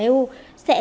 sẽ giúp ukraine duy trì